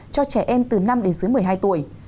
cho trẻ em từ năm đến dưới một mươi hai tuổi